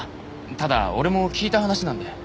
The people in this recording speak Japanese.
ただ俺も聞いた話なんで。